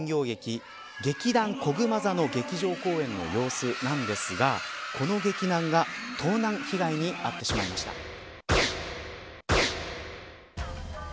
劇団こぐま座の劇場公演の様子なんですがこの劇団が盗難被害に遭ってしまいました。